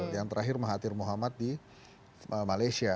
yang terakhir mahathir muhammad di malaysia